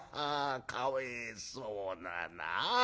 かわいそうだな。